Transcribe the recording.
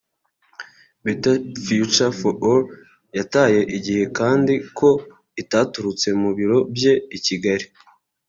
A Better Future for All” yataye igihe kandi ko itaturutse mu biro bye i Kigali)